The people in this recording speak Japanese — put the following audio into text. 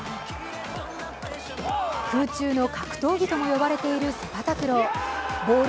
空中の格闘技とも呼ばれているセパタクロー。